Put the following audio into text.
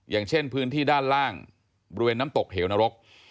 อย่างเช่นพื้นที่ด้านล่างบริเวณน้ำตกเหวนรก